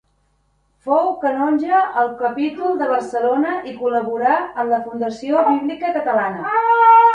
Fou canonge al capítol de Barcelona i col·laborà en la Fundació Bíblica Catalana.